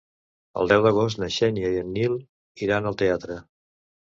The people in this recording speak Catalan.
El deu d'agost na Xènia i en Nil iran al teatre.